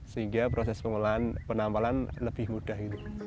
sehingga proses pengolahan penampalan lebih mudah